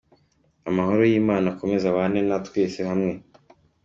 Amahoro y’Imana akomeze abane na twe twese hamwe.